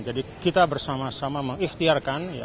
jadi kita bersama sama mengikhtiarkan